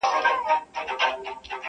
• پورته تللې ده,